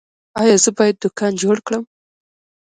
ایا زه باید دوکان جوړ کړم؟